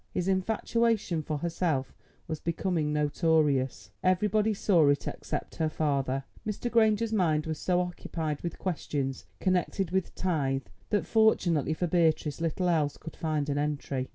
His infatuation for herself was becoming notorious; everybody saw it except her father. Mr. Granger's mind was so occupied with questions connected with tithe that fortunately for Beatrice little else could find an entry.